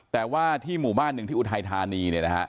แต่ว่าที่หมู่บ้านหนึ่งที่อุทัยธานีเนี่ยนะฮะ